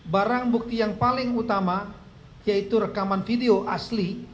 barang bukti yang paling utama yaitu rekaman video asli